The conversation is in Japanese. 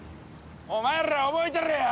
お前ら覚えてろよ！